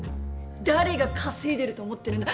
「誰が稼いでると思ってるんだ」